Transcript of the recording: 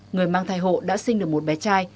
người mang thai hộ đã sinh được một bé trai